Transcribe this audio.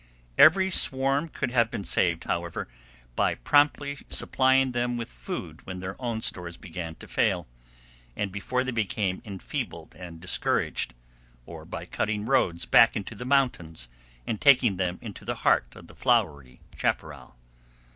Every swarm could have been saved, however, by promptly supplying them with food when their own stores began to fail, and before they became enfeebled and discouraged; or by cutting roads back into the mountains, and taking them into the heart of the flowery chaparral.